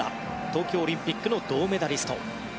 東京オリンピックの銅メダリスト。